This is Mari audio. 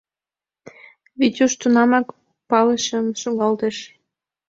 Витюш тунамак пылышым шогалтыш.